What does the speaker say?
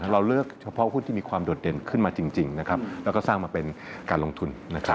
เราเลือกเฉพาะหุ้นที่มีความโดดเด่นขึ้นมาจริงแล้วก็สร้างมาเป็นการลงทุน